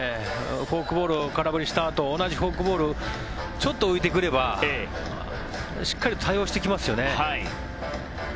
フォークボールを空振りしたあと同じフォークボールちょっと浮いてくればしっかり対応してきますよね。